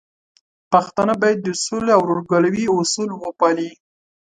پښتانه بايد د سولې او ورورګلوي اصول وپالي.